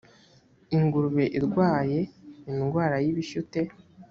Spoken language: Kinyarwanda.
ingurube irwaye indwara y’ibishyute